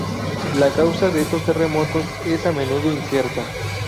La causa de estos terremotos es a menudo incierta.